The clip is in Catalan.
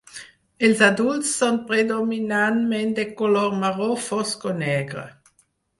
Els adults són predominantment de color marró fosc o negre.